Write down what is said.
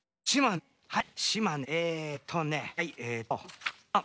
はい！